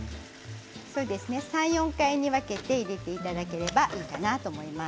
３、４回に分けて入れていただければいいかなと思います。